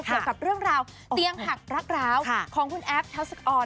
เกี่ยวกับเรื่องราวเตียงหักรักร้าวของคุณแอฟทัศออน